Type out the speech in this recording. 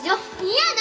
嫌だ！